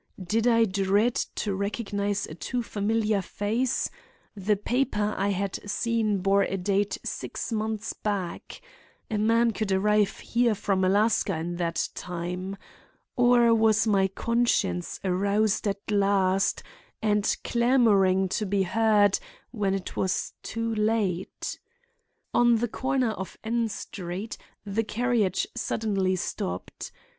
Did I dread to recognize a too familiar face? The paper I had seen bore a date six months back. A man could arrive here from Alaska in that time. Or was my conscience aroused at last and clamoring to be heard when it was too late? On the corner of N Street the carriage suddenly stopped.